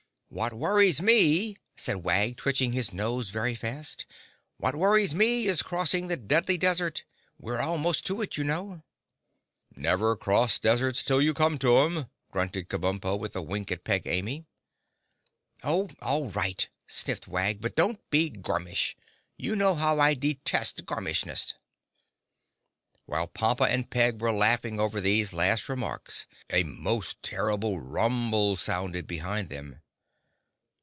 "What worries me," said Wag, twitching his nose very fast, "what worries me is crossing the Deadly Desert. We're almost to it, you know." "Never cross deserts till you come to 'em," grunted Kabumpo, with a wink at Peg Amy. "Oh, all right," sniffed Wag, "but don't be gormish. You know how I detest gormishness!" While Pompa and Peg were laughing over these last remarks a most terrible rumble sounded behind them.